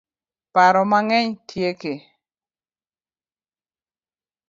Paro mang'eny tieke